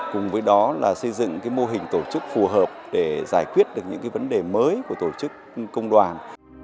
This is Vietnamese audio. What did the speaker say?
cùng với đó là xây dựng mô hình tổ chức phù hợp để giải quyết được những vấn đề mới của tổ chức công đoàn